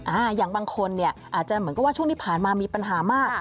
อย่างบางคนเนี่ยอาจจะเหมือนกับว่าช่วงที่ผ่านมามีปัญหามาก